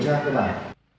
ngoài ra thì sẽ làm tốt